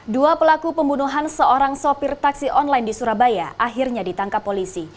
dua pelaku pembunuhan seorang sopir taksi online di surabaya akhirnya ditangkap polisi